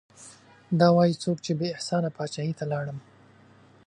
دا وايي څوک چې بې احسانه پاچاهي ته لاړم